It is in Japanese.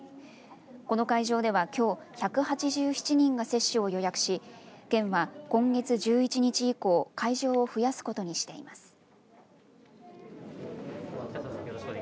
この会場では、きょう１８７人が接種を予約し県は、今月１１日以降会場を増やすことにしています。